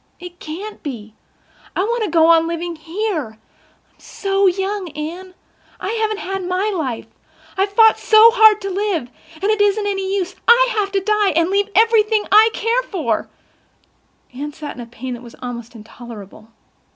It can't be. I want to go on living here. I'm so young, Anne. I haven't had my life. I've fought so hard to live—and it isn't any use—I have to die—and leave everything I care for." Anne sat in a pain that was almost intolerable.